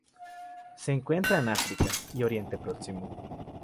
Se encuentra en África y Oriente Próximo.